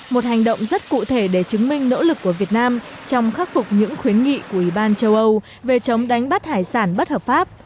một hành động rất cụ thể để chứng minh nỗ lực của việt nam trong khắc phục những khuyến nghị của ủy ban châu âu về chống đánh bắt hải sản bất hợp pháp